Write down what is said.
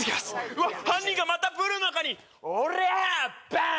うわっ犯人がまたプールの中におりゃー！